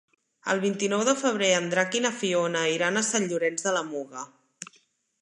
El vint-i-nou de febrer en Drac i na Fiona iran a Sant Llorenç de la Muga.